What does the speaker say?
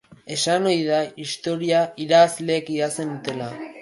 Esan ohi da historia irabazleek idazten dutela.